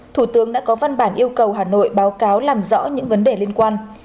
thủ tướng đã có văn bản yêu cầu hà nội báo cáo làm rõ những vấn đề liên quan